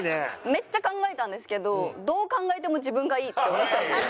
めっちゃ考えたんですけどどう考えても自分がいいって思っちゃった。